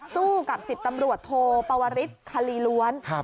สู้กับ๑๐ตำรวจโทปวริสคลีล้วน